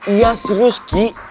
iya serius ki